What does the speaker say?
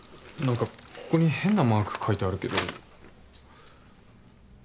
何かここに変なマーク描いてあるけど。